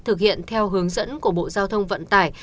thực hiện theo hướng dẫn của bộ giao thông vận tải